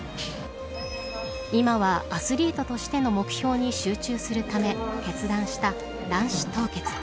今は、アスリートとしての目標に集中するため決断した卵子凍結。